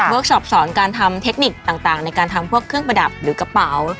ชอบสอนการทำเทคนิคต่างในการทำพวกเครื่องประดับหรือกระเป๋า